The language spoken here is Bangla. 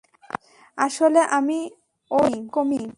আসলে, আমি ওইরকমই।